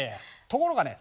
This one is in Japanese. ところがね